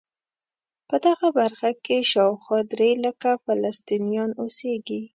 په دغه برخه کې شاوخوا درې لکه فلسطینیان اوسېږي.